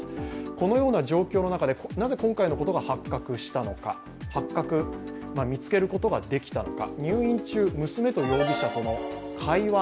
このような状況の中でなぜ今回のことが発覚したのか見つけることができたのか。